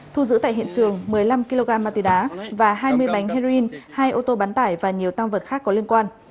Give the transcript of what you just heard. thu giữ tại hiện trường một mươi năm kg ma túy đá và hai mươi bánh heroin hai ô tô bán tải và nhiều tăng vật khác có liên quan